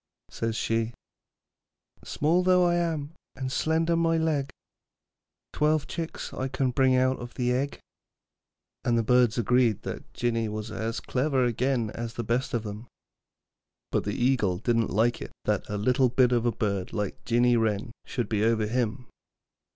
Says she: Small though I am and slender my leg, Twelve chicks I can bring out of the egg. And the birds agreed that Jinny was as clever again as the best of them. But the eagle didn't like it that a little bit of a bird like Jinny Wren should be over him.